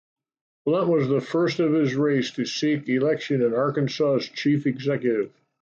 Blount was the first of his race to seek election as Arkansas's chief executive.